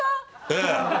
ええ。